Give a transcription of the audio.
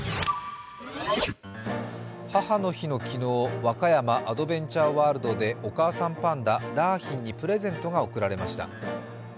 母の日の昨日、和歌山アドベンチャーワールドで、お母さんパンダ・良浜にプレゼントが贈られました。